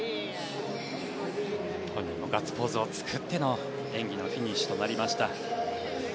本人もガッツポーズを作っての演技のフィニッシュとなりました。